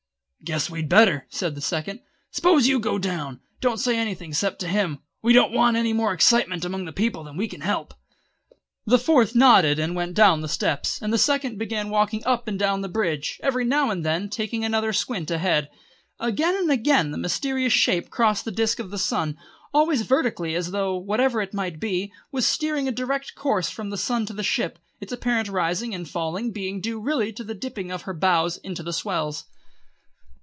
"Guess we'd better," said the Second. "S'pose you go down. Don't say anything except to him. We don't want any more excitement among the people than we can help." The Fourth nodded and went down the steps, and the Second began walking up and down the bridge, every now and then taking another squint ahead. Again and again the mysterious shape crossed the disc of the sun, always vertically as though, whatever it might be, it was steering a direct course from the sun to the ship, its apparent rising and falling being due really to the dipping of her bows into the swells.